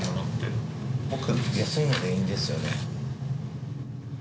僕安いのでいいんですよね。